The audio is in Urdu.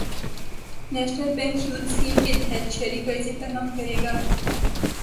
نیشنل بینک یوتھ اسکیم کے تحت شرعی قرضے فراہم کرے گا